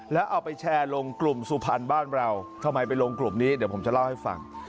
แล้วเอาไปแชร์ลงกลุ่มสุพรรณบ้านเราทำไมไปลงกลุ่มนี้เดี๋ยวผมจะเล่าให้ฟัง